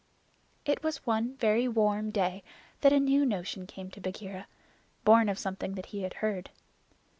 It was one very warm day that a new notion came to Bagheera born of something that he had heard.